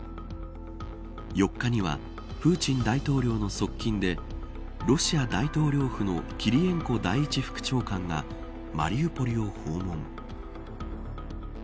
４日にはプーチン大統領の側近でロシア大統領府のキリエンコ第１副長官がマリウポリを訪問。